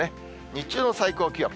日中の最高気温。